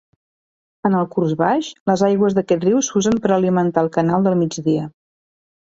En el curs baix, les aigües d'aquest riu s'usen per alimentar el Canal del Migdia.